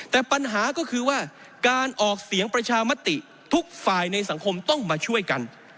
แต่ปัญหาก็คือว่าการออกเสียงประชามติทุกฝ่ายในสังคมต้องมาช่วยกัน